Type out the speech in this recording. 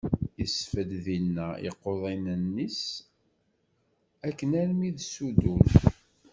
Isbedd dinna iqiḍunen-is, akken armi d Sudum.